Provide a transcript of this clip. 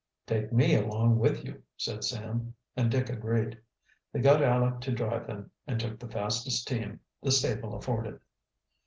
"Take me along with you," said Sam, and Dick agreed. They got Aleck to drive them and took the fastest team the stable afforded.